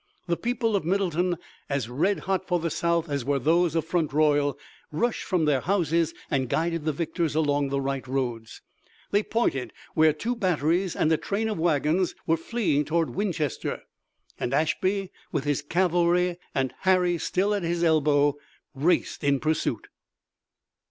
The people of Middletown, as red hot for the South as were those of Front Royal, rushed from their houses and guided the victors along the right roads. They pointed where two batteries and a train of wagons were fleeing toward Winchester, and Ashby, with his cavalry, Harry still at his elbow, raced in pursuit.